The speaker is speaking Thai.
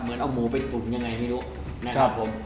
เหมือนเอาหมูไปตุ๋นยังไงไม่รู้นะครับผม